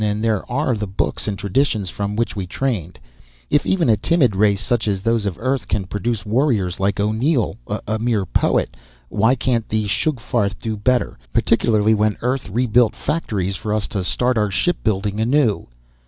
And there are the books and traditions from which we trained. If even a timid race such as those of Earth can produce warriors like O'Neill a mere poet why can't the Sugfarth do better? Particularly when Earth rebuilt factories for us to start our shipbuilding anew."